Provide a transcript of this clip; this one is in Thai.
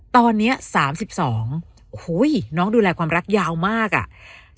ตอนเนี้ยสามสิบสองหุ้ยน้องดูแลความรักยาวมากอ่ะ